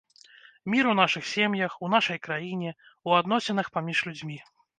Мір у нашых сем'ях, у нашай краіне, у адносінах паміж людзьмі.